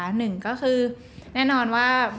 หนึ่งก็คือแน่นอนว่า